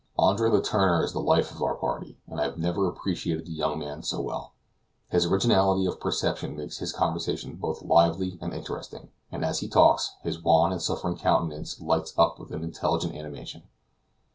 Andre Letourneur is the life of our party, and I have never appreciated the young man so well. His originality of perception makes his conversation both lively and interesting, and as he talks, his wan and suffering countenance lights up with an intelligent animation.